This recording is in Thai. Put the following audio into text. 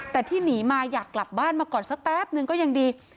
แต่ที่หนีมาอยากกลับบ้านมาก่อนสักแป๊บนึงก็ยังดี